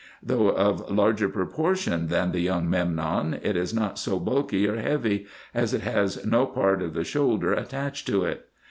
Though of larger proportion than the young Memnon, it is not so bulky or heavy, as it has no part of the shoulder attached to it.